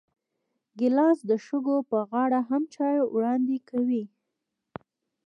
ګیلاس د شګو پر غاړه هم چای وړاندې کوي.